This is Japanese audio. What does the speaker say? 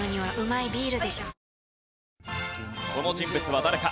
この人物は誰か？